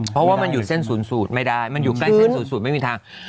เพราะว่ามันอยู่เส้นศูนย์สูตรไม่ได้มันอยู่ใกล้เส้นสูตรไม่มีทาง